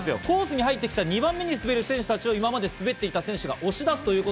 コースに入ってきた、２番目に滑る選手たちを今まで滑っていた選手たちが押し出す。